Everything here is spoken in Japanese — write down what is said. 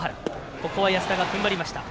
ここは安田がふんばりました。